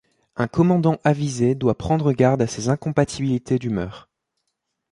Un commandant avisé doit prendre garde à ces incompatibilités d'humeur.